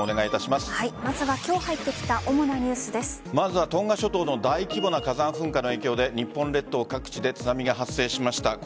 まずは今日入ってきたトンガ諸島の大規模な火山噴火の影響で日本列島各地で津波が発生しました。